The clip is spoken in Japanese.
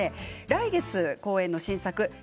来月公演の新作